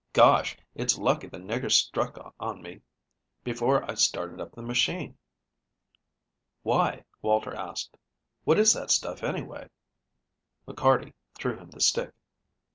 "Gosh! It's lucky the nigger struck on me before I started up the machine." "Why?" Walter asked. "What is that stuff, anyway?" McCarty threw him the stick.